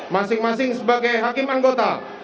masing masing sebagai hakim anggota